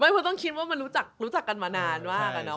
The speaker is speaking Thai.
เพราะต้องคิดว่ามันรู้จักกันมานานมากอะเนาะ